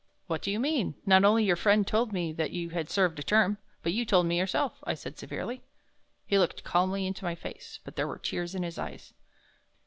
"What do you mean, not only your friend told me that you had served a term, but you told me yourself?" I said, severely. He looked calmly into my face, but there were tears in his eyes.